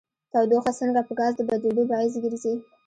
تودوخه څنګه په ګاز د بدلیدو باعث ګرځي؟